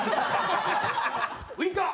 ウインカー。